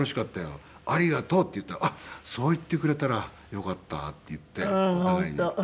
ありがとう」って言ったら「そう言ってくれたらよかった」って言ってお互いに。